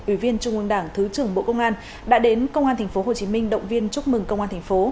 ủy viên trung ương đảng thứ trưởng bộ công an đã đến công an tp hcm động viên chúc mừng công an thành phố